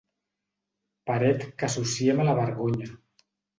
Paret que associem a la vergonya.